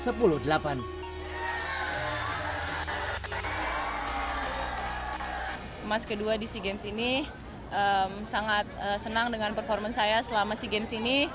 emas kedua di sea games ini sangat senang dengan performa saya selama sea games ini